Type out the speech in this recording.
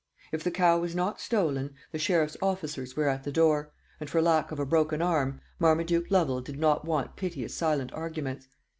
If the cow was not stolen, the sheriff's officers were at the door, and, for lack of a broken arm, Marmaduke Lovel did not want piteous silent arguments.